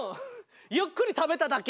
ゆっくり食べただけ。